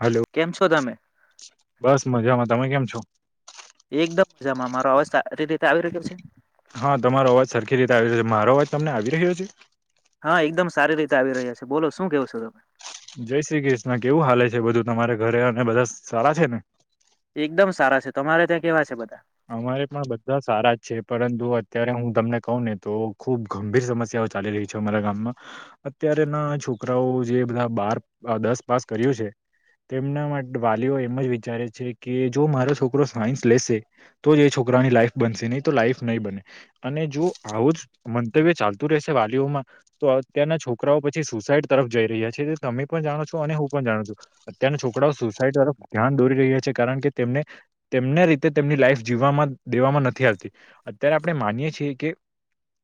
Hello કેમ છો તમે બસ મજામાં તમે કેમ છો? એકદમ મજામાં મારો અવાજ [unintelligible] રીતે આવી રહ્યો છે હા તમારો અવાજ સરખી રીતે આવીયો છે મારો અવાજ તમને આવી રહ્યો છે. હા એકદમ સારી રીતે આવી રહ્યા છે બોલો શું કેવો છો તમે? જય શ્રી કૃષ્ણ કેવું હાલે છે બધું તમારે ઘરે અને બધા સારા છે ને. એકદમ સારા છે તમારે ત્યાં કેવા છે બધા. અમારે પણ બધા સારા જ છે પરંતુ અત્યારે હું તમને કહું ને તો ખુબ ગંભીર સમસ્યાઓ ચાલી રહી છે અમારા ગામમાં અત્યારે ના છોકરાઓ જે બધા બાર દસ પાસ કર્યું છે. તેમ એના માટે વાલીઓ એમ જ વિચારે છે કે જો મારો છોકરો સાયન્સ લેશે. તો જ એ છોકરાની લાઈફ બનશે નહી તો લાઈફ નહી બને અને જો આવું જ મંતવ્ય ચાલતું રેસે વાલીઓમાં તો અત્યારના છોકરાઓ પછી સુસાઈડ તરફ જઈ રહ્યા છે તમે પણ જાણો છો અને હું પણ જા અત્યારના છોકરાઓ સોસાયટી તરફ ધ્યાન દોરી રહ્યા છે કારણ કે તેમને તેમને રીતે તેમની લાઈફ જીવવામાં દેવામાં નથી આવતી અત્યારે આપણે માનીએ છીએ કે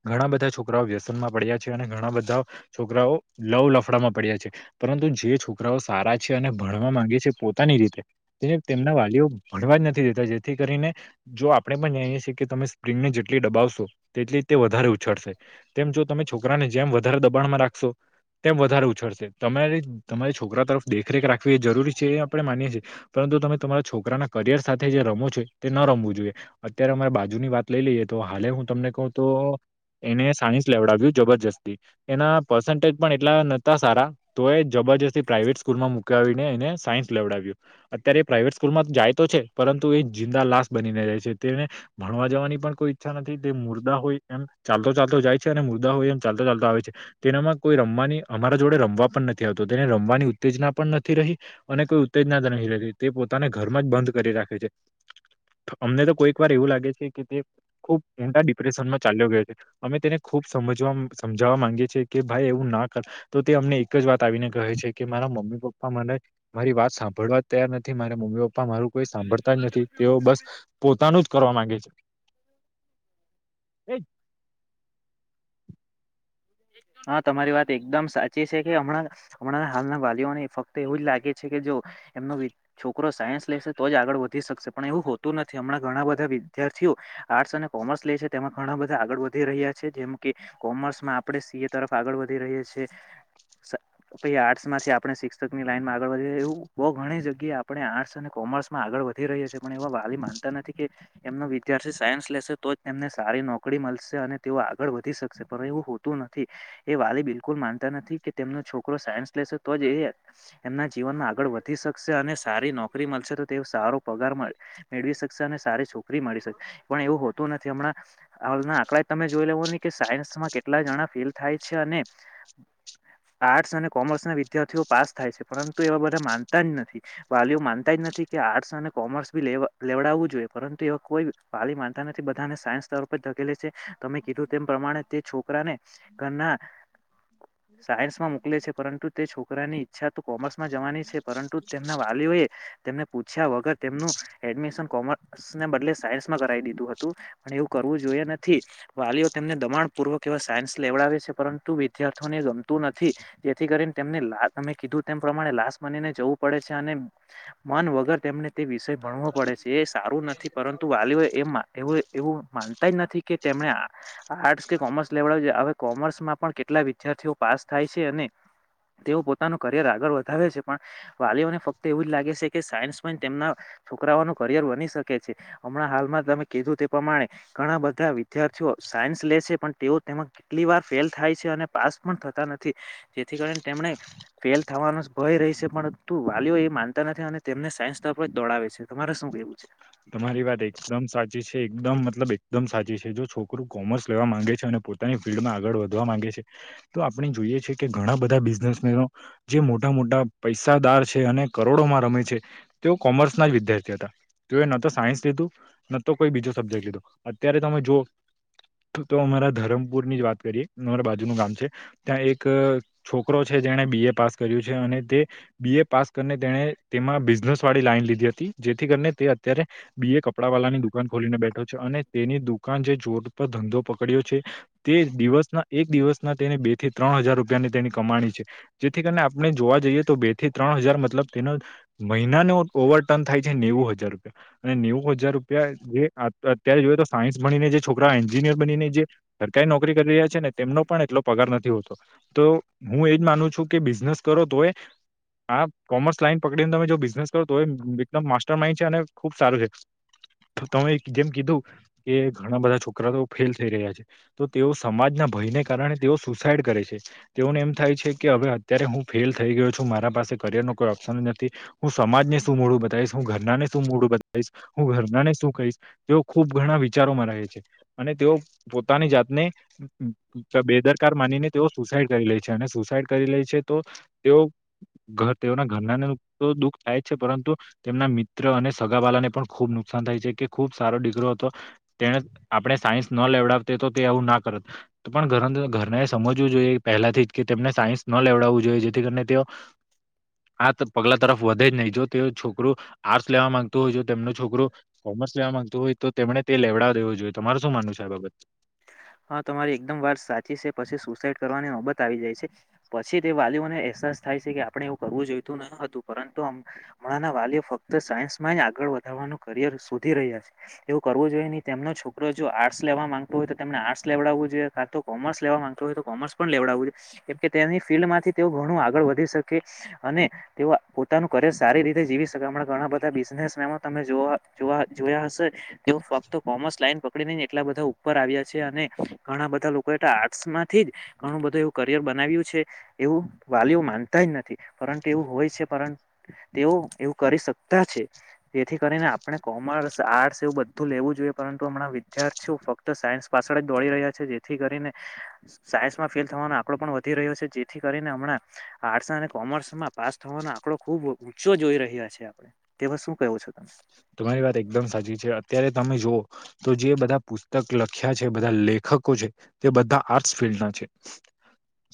ઘણા બધા છોકરાઓ વ્યસનમાં પડ્યા છે અને ઘણા બધા છોકરાઓ લવ લફડામાં પડ્યા છે. પરંતુ જે છોકરાઓ સારા છે અને ભણવા માંગે છે પોતાની રીતે તે તેમના વાલીઓ ભણવા નથી દેતા જેથી કરીને જો આપણે પણ જાણી છીએ કે તમે સ્પ્રિંગને જેટલી દબાવશો તેટલી તે વધારે ઉછાળશે તેમ જો તમે છોકરાને જેમ વધારે દબાણમાં રાખશો તેમ વધારે ઉછળશે તમારે તમારી છોકરા તરફ દેખરેખ રાખવી એ જરૂરી છે એ આપણે માનીએ છીએ પર તું તમે તમારા છોકરાના કરિયર સાથે જે રમો છો તે ના રમવું જોઈએ અત્યારે અમારે બાજુની વાત લઈ લઈએ તો હાલે હું તમને કહું તો એને સાયન્સ લેવડાવ્યું જબરજસ્તી એના પર્સન્ટેજ પણ એટલા નતા સારા તો એ જબ બરજસ્તી પ્રાઇવેટ સ્કૂલમાં મૂકાવીને એને સાયન્સ લેવડાવ્યું અત્યારે એ પ્રાઇવેટ સ્કૂલમાં જાય તો છે પરંતુ એ જિંદા લાશ બનીને રે છે તેને ભણવા જવાની પણ કોઈ ઈચ્છા નથી તે મુર્દા હોય એમ ચાલતો ચાલતો જાય છે અને મુર્દા હોય એમ ચાલતા ચાલતા આવે છે તેનામાં કોઈ રમવાની અમારા જોડે રમવા પણ નથી આવતો તેને રમવા ની ઉત્તેજના પણ નથી રહી અને કોઈ ઉત્તેજના નહી ર તે પોતાને ઘર માં જ બંધ કરી રાખે છે. [inaudible] અમને તો કોઈક વાર એવું લાગે છે કે તે ખુબ મોઊટા ડિપ્રેશનમાં ચાલ્યો ગયો છે અમે તેને ખુબ સમજવા સમજાવવા માંગે છે કે ભાઈ એવું ના કર તો તે અમને એક જ વાત આવીને કહે છે કે મારા મમ્મ મમ્મી પપ્પા મને મારી વાત સાભળવા તૈયાર નથી મારે મમ્મીપ્પ પપ્પા મારું કોઈ સાંભળતા જ નથી તેઓ બસ પોતાનું જ કરવા માંગે છે. [inaudible] [unintelligible] હા તમારી વાત એકદમ સાચી છેકે હમણાં હમણાં હાલના વાલીઓને ફક્ત એવું જ લાગે છેકે જો એમનો છોકરો સાયન્સ લેશે તો જ આગળ વધી શકશે પણ એવું હોતું નથી હમણાં ઘણાં બધાં વિદ્યાર્થીઓ આર્ટસ અને કોમર્સ લે છે તેમાં ઘણાં બધાં આગળ વધી રહ્યા છે જેમ કે કોમર્સમાં આપડે સીએ તરફ આગળ વધી રહીએ છે. આર્ટ્સમાંથી આપણે શિક્ષકની લાઈનમાં આગળ વધી એવું બો ઘણી જગ્યાએ આપણે આર્ટસ અને કો કોમર્સમાં આગળ વધી રહીએ છે પણ એવા વાલી માનતા નથી કે એમનો વિદ્યાર્થી સાયન્સ લેશે તોજ તેમને સારી નોકરી મલશે અને તેઓ આગળ વધી શકશે પણ એવું નથી એ વાલી બિલકુલ માનતા નથી કે તેમનો છોકરો સાયન્સ લેશે તોજ એમના જીવનમાં આગળ વધી શકશે અને સારી નોકરી મલશે તો તેઓ સારો પગાર મળે. મેળવી શકશે અને સારી છોકરી મળી શ પણ એવું હો તુ નથી હમણાં હાલના આંકડા તમે જોઈ લેવોની કે સાયન્સમાં કે કેટલા જણા ફેલ થાય છે અને આર્ટસ અને કોમર્સનાં વિદ્યાર્થીઓ પાસ થાય છે પરંતુ એવા બધા માનતા જ નથી વાલીઓ માનતા જ નથી કે આર્ટસ અને કોમર્સ બી લેવડાવવું જોઈએ પરંતુ એવા કોઈ વાલી માનતા નથી બધાને સાયન્સ તર ધકેલે છે તમે કીધું તે પ્રમાણે તે છો કરાને ઘરના સાયન્સમાં મોકલે છે પરંતુ તે છોકરાની. ઈચ્છા તો કોમર્સમાં જવાની છે પરંતુ તેમના વાલીઓએ તેમને પૂછ્યા વગર તેમનું એડમિશન કોમર્સને બદલે સાયન્સમાં કરાય દીધું હતું પણ એવું કરવું જોઈએ નથી વાલીઓ તેમને દબાણ પૂર્વક કેવા સાયન્સ લેવડાવે છે પરંતુ વિદ્યાર્થીઓને ગમતું નથી તેથી કરીને તેમને લા તમે કીધું તેમ પ્રમાણે લાશ માનીને જવું પડે છે અને મન વગર તેમને તે વિષય ભણવો પડે છે એ સારું નથી. પરંતુ વાલીઓએ એવું માનતા જ નથી કે તેમને આર્ટસ કે કોમર્સ. લેવડાવજે હવે કોમર્સમાં પણ કેટલા વિદ્યાર્થીઓ પાસ થાય છે અને તેઓ પોતાનું કરિયર આગળ વધાવે છે પણ વાલીઓને ફક્ત એવું જ લાગે છેકે સાયન્સ પણ તેમના. છોકરાઓનું કરિયર બની શકે છે હમણાં હાલમાં તમે કીધું તે પ્રમાણે ઘણાં બધાં વિદ્યાર્થીઓ. સાયન્સ લેશે પણ તેઓ તેમાં કેટલી વાર ફેલ થાય છે અને પાસ પણ થતા નથી જેથી કરીને તેમણે ફેલ થવાનો. ભય રહી છે પરંતુ વાલીઓએ માનતા નથી અને તેમને સાયન્સ તરફ જ દોડાવે છે. તમારે શું કેવું છે? તમારી વાત એકદમ સાચી છે. એકદમ મતલબ એકદમ સાચી છે. જો છોકરું કોમર્સ લેવા માંગે છે અને પોતાની ફિલ્ડમાં આગળ વધવા માંગે છે તો આપણે જોઈએ છીએ કે ઘણાં બધાં બિઝનેસમેનો જે મોટા મોટા પૈસાદાર છે. અને કરોડોમાં રમે છે. તેઓ કોમર્સના જ વિદ્યાર્થી હતા. તુયે નતો સાયન્સ લીધું નતો કોઈ બીજો સબ્જેક્ટ લીધો અત્યારે તમે જો તો અમારા ધરમપુરની જ વાત કરીએ અમારા બાજુનું ગામ છે ત્યાં એક છોકરો છે. જેને બીએ પાસ કર્યું છે અને તે બીએ પાસ કરીને તેને તેમાં બિઝનેસ વાળી લાઈન લીધી હતી. જેથી કરને તે અત્યારે બીએ કપડાં વાલાની દુકાન ખોલીને બેઠો છે અને તેની દુકાન જે જોર પર ધંધો પકડ્યો છે. તે દિવસના એક દિવસના તેને બે થી ત્રણ હજાર રૂપિયાની તેની કમાણી છે. જેથી કરને આપણે જોવા જઈએ તો બે થી ત્રણ હજાર મતલબ તેનો મહિનાનો ઓવરટર્ન થાય છે નેવું હજાર. અને નેવું હજાર રૂપિયા જે અત્યારે જોઈએ તો સાયન્સ ભનીને જે છોકરા એન્જિનિયર બનીને જે સરકારી નોકરી કરી રહ્યા છેને તેમનો પણ એટલો પગાર નથી હોતો તો હું એજ માનું છું કે બિઝનસ. કરો તોય આ કોમર્સ લાઈન પકડીને તમે જો બિઝનેસ કરો તો એકદમ માસ્ટર માઈન્ડ છે અને ખૂબ સારું છે. તમે જેમ કીધું કે ઘણાં બધાં છોકરા તો ફેલ થઈ રહ્યા છે તો તેઓ સમાજના ભયને કારણે તેઓ સુસાઈડ કરે છે તેઓને એમ થાય છેકે હવે અત્યારે હું ફેલ થઈ ગયો છું મારા પા કરિયરનો કોઈ ઓપ્શન નથી હું સમાજને શું મોઢું બતાવીશ હું ઘરનાને મોઢું બતાવીશ હું ઘરનાને શું કહીશ તેઓ ખૂબ ઘણાં વિચારોમાં રહે છે અને તેઓ પોતાની જાતને બેદરકાર માની ને તેઓ સુસાઈડ કરી લે છે અને સુસાઈડ કરી લે છે છે તો તેઓના તેના ઘરના દુઃખ થાય જ છે પરંતુ તેમના અને સગાવાળલાને પણ ખુબ નુકસાન થાય છે કે ખુબ સારો દીકરો હતો તેણે આપણે સાયન્સ નો લેવડાતો તે આવુ ના કરત પણ ઘરના એ પહેલાથી કેને સાયન્સ લે ડાવું જોઈએ જેથી કરીને તે આ પગલા તરફ વધે જ નહીં જો તે છોકરું આર્ટસ લેવા માંગતું હોય જો તેમનો છોકરો કોમર્સ લેવા માંગતોું હોય તો તેમને તે લેવડાવ દેવો જોઈ તમાર શું માનવ છે ત બાબત હા તમારી એકદમ વાત સાચી છે પછી સુસાઈડ કરવાની નોબત આવી જાય છે પછી તે વાલીઓને અહેસાસ થાય છે કે આપડણે એવું કરવું જોઈતું ન હતું પરંતુ હમણાં વાલીઓ ફક્ત સાયન્સમાં આગળ વધારવાનું કરિયર શોધી રહ્યા છે એવું કરવું જોઈએ કઈ નઈ તેમનો છોકરો જો આર્ટસ લેવા માંગતો હોય તો તેમને આર્ટસ લેવડાવવું જોઈ કોમર્સ લેવા માંગતો હોય તો કોમર્સ પણ લેવડાવું જોઈ કે તેની ફિલ્ડમાંથી તેઓ થોડું આગળ વધી શકે અને તે પોતાનું કરર સારી રીતે જીવી શક અમના ઘણા બધા બિઝનેસ એમાં તમે જોયા જોયા હસે તે ફક્ત કોમર્સ લાઈન પકડી નઈને એટલા બધા ઉપર આવ્યા અને ઘણા બધા લોકો આર્ટસ માંથી જ ઘણું બધું એવું કરિયર બનાવ્યું છે એવું વાલીઓ માનતા જ નથી પરંતુ એવું હોય છે પર તેઓ એવું કરી શકતા છે તેથી કરીને આપણે કોમર્સ આર્ટસ એવું બધું લેવું જોઈએ પરંતુ હમણા વિદ્યાર્થીઓ ફક્ત સાયન્સ પાછળ જ દોડી રહ્યા છે જેથી કરીને સાયન્સ માં ફેલ થવાનો આંકડો પણ વધી રહ્યો છે જેથી કરીને હમણાં આર્ટસ અને કોમર્સમાં પાસ થવાનો આંકડો ખુબ ઊંચો જોઈ રહ્યા છે તેવા શું કહો ઔ શધમ તમારી વાત એકદમ સાચી છે અત્યારે તમે જુઓ તો જે બધા પુસ્તક લખ્યા છે બધા લેખક લકો છે તે બધા આર્ટ ફિલ્ છે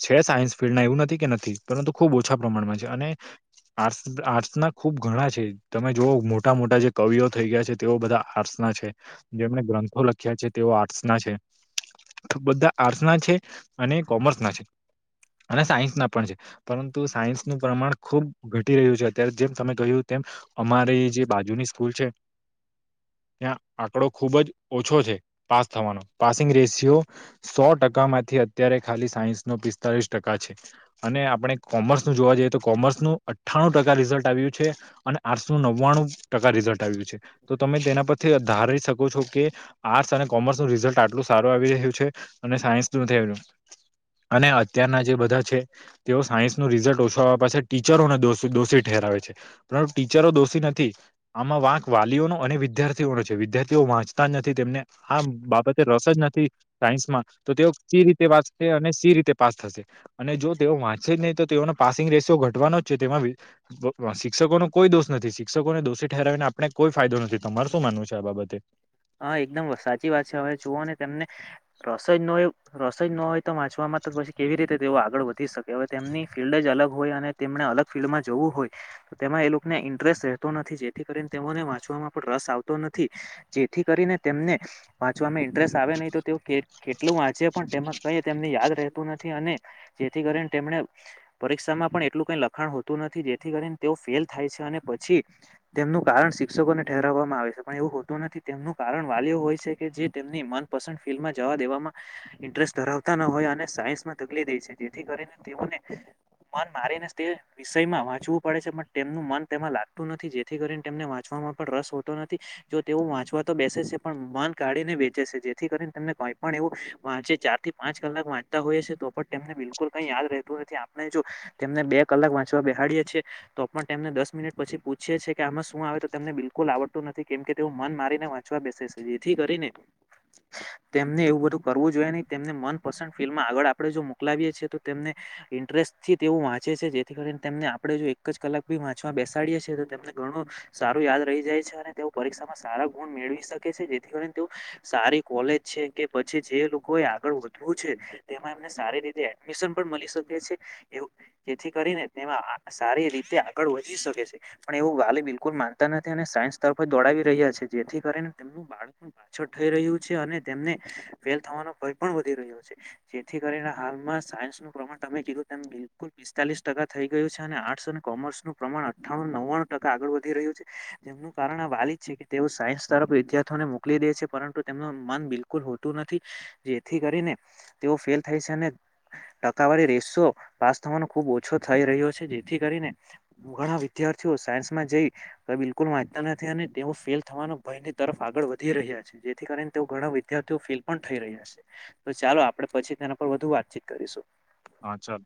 છે સાયન્સ ફિલ્ડના એવું નથી કે નથી પરંતુ ખૂબ ઓછા પ્રમાણમાં છે અને આર્ટ આર્ટ્સ ના ખુબ ઘણા છે તમે જોઓ મોટા મોટા જે કવિઓ થઈ ગયા છે તેઓ બધા આર્ટસ ના છે જેમને ગ્રંથો લખ્યા છે તેઓ આર્ટસના છે તો બધા આર્ટસ ના છે અને કોમર્સ ના છે અને સાયન્સ ના પણ છે પરંતુ સાયન્સનું પ્રમાણ ખુબ ઘટી રહ્યું છે અત્યારે જેમ તમે કહ્યું તેમ અમારે જે બાજુની સ્કુલ છે ત્યાં આંકડો ખુબ જ ઓછો છે પાસ થવાનો પાસિંગ રેશિયો સો ટકામાંથી અત્યારે ખાલી સાયસ નો પિસ્તાલીસ ટકા છે અને આપણે કોમર્સ નું જોવા જઈએ તો કોમર્સ નું અઠ્ઠાણું ટકા રિઝલ્ટ આવ્યું છે અને આઠસો નવ્વાણું ટકા રિઝલ્ટ આવ્યું છે તો તમે તેના પરથી ધારી શકો છો કે આર્ટસ અને કોમર્સ નું રિઝલ્ટ આટલું સારું આવી રહ્યું છે અને સાયન્સ નથી આવી્યું અને અત્યારના જે બધા છે તેઓ સાયન્સ નું રિઝલ્ટ ઓછાવા પાસે ટીચરોને ડોશી દોષી ઠેરા આવે છે પરંતુ ટીચરો દોષી નથી આમાં વાંક વાલીઓનો અને વિદ્યાર્થીઓનો છે વિદ્યાર્થીઓ વાંચતા જ નથી તેમને આ બાબતે રસ જ નથી સાયન્સ માં તો તેઓ સી રીતે વાચશે અને સી રીતે પાસ થશે અને જો તેઓ વાંચે સેજ નહી તો તેઓનો પાસિંગ રેશિયો ઘટવાનો જ છે તેમાં શિક્ષકોનો કોઈ દોષ નથી શિક્ષકોને દોષિત ઠરાવી ને આપણે કોઈ ફાયદો નથી તમાર શું માનવું છે આ બાબતે હા એકદમ સાચી વાત છે હવે જુઓ ને તેમને રસોઈ ન હો રસો જ ન હોય તો વાંચવાવામાં એમાં પછી કેવી રીતે તેઓ આગળ વધી શકે હવે તેમની ફિલ્ડ જ અલગ હોય અને તેમને અલગ ફિલ્ડમાં જોવું હોય તેમાં એ લોકોને ઇન્ટરેસ્ટ રહેતો નથી જેથી કરીને તેઓને વાંચવામાં પણ રસ આવતો નથી થી કરીને તેમને વાંચવામાં ઇન્ટરેસ્ટ આવે નહીં તો તેઓ કેટલું વાંચે પણ તેમાં કહી તેમની યાદ રહેતું તનથી અને જેથી કરીને તેમણે પરીક્ષામાં પણ એટલું કઈ લખાણ હોતું નથી જેથી કરીને તે ફેલ થાય છે અને પછી તેમનું કારણ શિક્ષકોને ઠેરાવવામાં આવે છે પણ એવું હોતું નથી તેમનું કારણ વાલીઓ હોય છે કે જે તેમની મનપસંદ ફિલ્ડમાં જવા દેવામાં ઇન્ટરેસ્ટ ધરાવતા ન હોય અને સાયન્સમાં તકલી દે છે જેથી કરીને તેઓને મન મારીને તે વિષયમાં વાંચવું પડે છે પણ તેમનું મન તે લાગતું નથી જેથી કરીને તેમને વાંચવામાં પણ રસ હોતો નથી જો તે તો બેસે છે પણ માન કાઢીને વેચે છે જેથી કરીને તેમને કઈ પણ એવું ચાર થી પાંચ કલાક વાંચતા હોઈએ છી તો પણ તેમને વાંચતા હોયછેતોપણ બિલકુલ કઈ યાદ રહેતું નથી આપણે જો તેમને બે કલાક વાંચવા બેહાડીએ છીએ તો પણ તેમને દસ મિનિટ પછી તોપણ તેમને દશ મિનિટ પછી પૂછીએીએ કે આમાં શું આવે તો તને બિલકુલ આવડતું નથી કેમ કે તેવો મન મારી ને વાંચવા બેસે છે જેથી કરી ને તેમને એવું બધું કરવું જોઈએ નહી તેમને મનપસંદ ફિલ્મ આગળ આપડણે જો મોકલાવીએ છએ તો તેમને ઇન્ટરેસ્ટ થી તેઓ વાંચે છે જેથી કરીને તેમને આપણે જો એક જ કલાક ભી વાંચવા બેસાડીએ છે તો તેમને ઘણું સારું યાદ રહી જાય છે અને તે પરીક્ષામાં સારા મેળવી શકે છે જેથી કરીને તેઓ સારી કોલેજ છે કે પછી જે કોઈ આગળ વધવું છે તેમાં એમને સારી રીતે એડમિશન પણ મળી શકે છે એવું જેથી કરીને તેમાં સારી રીતે તે આગળ વધી શકે છે પણ એવું વાલી બિલકુલ માનતા નથી અને સાયન્સ તરફ દોડાવી રહ્યા છે જેથી કરીને તેમનું બાળક પણ પાછળ થઈ રહ્યું છે અને તેમને ફેલ થવાનો ભય પણ વધી રહ્યો છે જેથી કરીને હાલમાં સાયન્સ નું પ્રમાણ તમે કીધું તેમ બિલકુલ પિસ્તાલીસ ટકા થઈ ગયું છે અને આર્ટ અને કોમર્સનું પ્રમાણ અઠ્ઠણ નવ્વાણું ટકા આગળ વધી રહ્યું છે જેમનું કારણ આ વાલીજ છે કે તેઓ સાયન્સ તરફ વિદ્યાર્થીઓને મોકલી દે છે પરંતુ તેમનું મન બિલકુલ હોતું નથી જેથી કરીને તે ફેલ થાય છે અને ટકાવારી રસો પાસ થવાનો ખુબ ઓછો થઈ રહ્યો છે જેથી કરીને ઘણા વિદ્યાર્થીઓ સાયન્સમાં જઈ બિલકુલ વાચતા નથી અને તે ફેલ થવાનો ભયની તરફ આગળ વધી રહ્યા છે જેથી કરીને તેઓ ઘણા વિદ્યાર્થીઓ ફેલ પણ થઈ રહ્યા છે ચાલો આપડે પછી તેના પર વધુ વાતચીત કરીશું પાાચલ